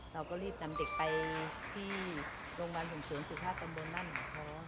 เราก็รีบนำเด็กไปที่โรงพยาบาลสุขภูมิสุขภาพตำรวจนั่นเหมาะพอ